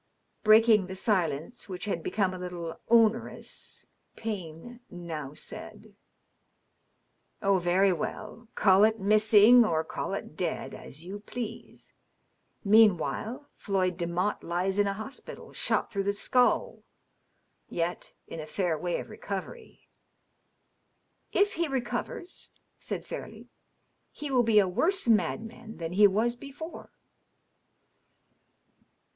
Breaking the silence, which had become a little onerous, Payne now said, —" Oh, very well. Call it missing or call it dead, as you please. Meanwhile, Floyd Demotte lies in a hospital, shot through the skull, yet in a fair way of recovery." DOUGLAS DUANE. 641 " If he recovers/' said Fairleigh, " he will be a worse inadman than lie was before."